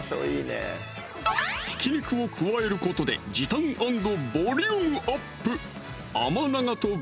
ひき肉を加えることで時短＆ボリュームアップ